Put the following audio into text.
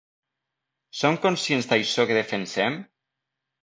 Som conscients d’això que defensem?